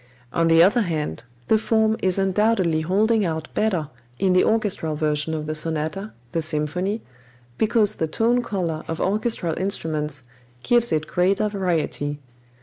On the other hand, the form is undoubtedly holding out better in the orchestral version of the sonata, the symphony, because the tone color of orchestral instruments gives it greater variety.